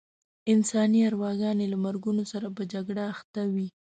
انساني ارواګانې له مرګونو سره په جګړه اخته وې.